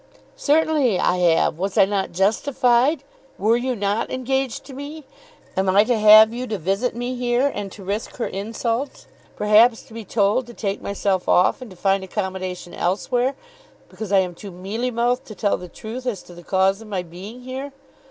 "Certainly I have. Was I not justified? Were you not engaged to me? Am I to have you to visit me here, and to risk her insults, perhaps to be told to take myself off and to find accommodation elsewhere, because I am too mealy mouthed to tell the truth as to the cause of my being here?